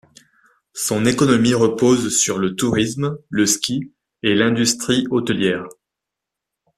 Son économie repose sur le tourisme, le ski et l'industrie hôtelière.